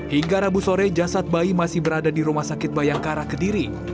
hingga rabu sore jasad bayi masih berada di rumah sakit bayang ke arah kediri